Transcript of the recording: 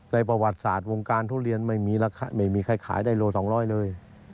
ประวัติศาสตร์วงการทุเรียนไม่มีใครขายได้โล๒๐๐เลย